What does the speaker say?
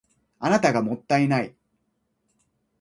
あなたがもったいない